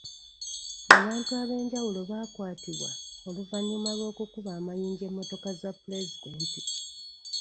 Abantu ab'enjawulo baakwatibwa oluvannyuma lw'okukuba amayinza emmotoka za pulezidenti.